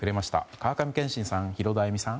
川上憲伸さん、ヒロド歩美さん。